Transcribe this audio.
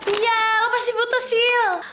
iya lo pasti butuh sih